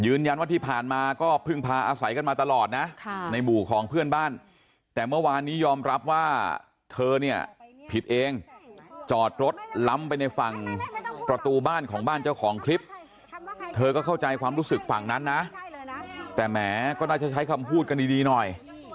ยืนยันว่าที่ผ่านมาก็เพิ่งพาอาศัยกันมาตลอดนะในหมู่ของเพื่อนบ้านแต่เมื่อวานนี้ยอมรับว่าเธอเนี่ยผิดเองจอดรถล้ำไปในฝั่งประตูบ้านของบ้านเจ้าของคลิปเธอก็เข้าใจความรู้สึกฝั่งนั้นนะแต่แหมก็น่าจะใช้คำพูดกันดีหน่อย